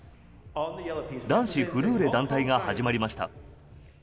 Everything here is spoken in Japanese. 男子フルーレ団体が始まりました。